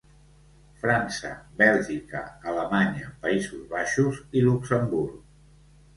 França, Bèlgica, Alemanya, Països Baixos i Luxemburg.